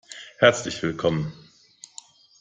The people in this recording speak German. Herzlich willkommen!